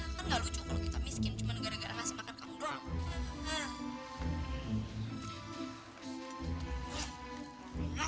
sampai jumpa di video selanjutnya